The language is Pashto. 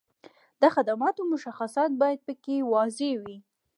د خدماتو مشخصات باید په کې واضح وي.